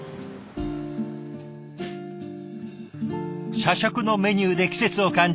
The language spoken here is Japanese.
社食のメニューで季節を感じ